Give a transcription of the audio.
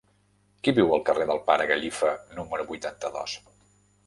Qui viu al carrer del Pare Gallifa número vuitanta-dos?